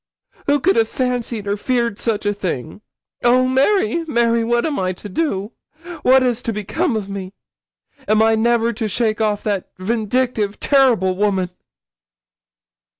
Who could have fancied or feared such a thing? Oh, Mary, Mary, what am I to do? what is to become of me? Am I never to shake off that vindictive, terrible woman?'